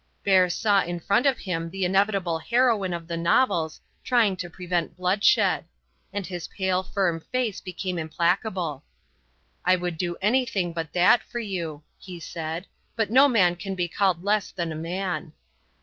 Bert saw in front of him the inevitable heroine of the novels trying to prevent bloodshed; and his pale firm face became implacable. "I would do anything but that for you," he said; "but no man can be called less than a man."